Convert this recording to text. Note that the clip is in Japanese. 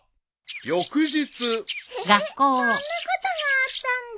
［翌日］へえそんなことがあったんだ。